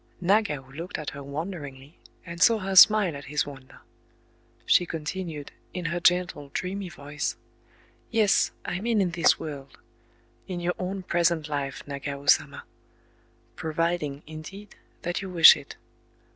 Nagao looked at her wonderingly, and saw her smile at his wonder. She continued, in her gentle, dreamy voice,— "Yes, I mean in this world,—in your own present life, Nagao Sama... Providing, indeed, that you wish it.